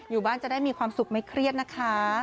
อยู่บ้านจะได้มีความสุขไม่เครียดนะคะ